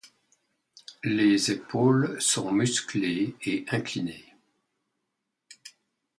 Les épaules sont musclées et inclinées.